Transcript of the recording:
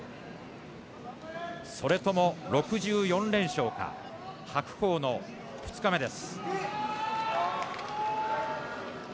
それとも６４連勝か白鵬の二日目です。